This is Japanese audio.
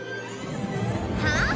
はあ？